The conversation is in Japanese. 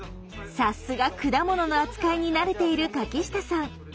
さすが果物の扱いに慣れている柿下さん。